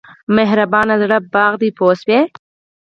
مهربان زړه باغ دی پوه شوې!.